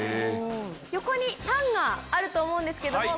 横にパンがあると思うんですけども。